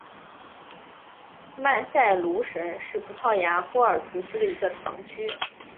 曼塞卢什是葡萄牙波尔图区的一个堂区。